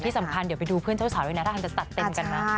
ที่สำคัญเดี๋ยวไปดูเพื่อนเจ้าสาวด้วยนะถ้าทางจะตัดเต็มกันนะ